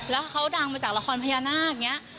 แล้วเขาดังมาจากละครพญานาคอย่างนี้